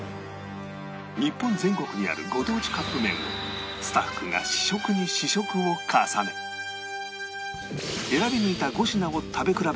日本全国にあるご当地カップ麺をスタッフが試食に試食を重ね選び抜いた５品を食べ比べ１位を決める